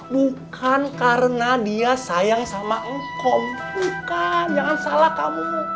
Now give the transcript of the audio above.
bukan karena dia sayang sama engkau bukan jangan salah kamu